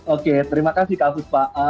oke terima kasih kakus pak